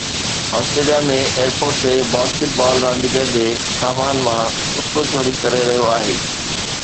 Australia ۾ airport تي basketball رانديگر جي سامان مان ڪتو چوري ڪري رهيو آهي